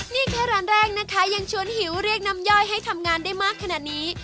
นี่แค่ร้านแรกนะคะยังชวนหิวเรียกน้ำย่อยให้ทำงานได้มากขนาดนี้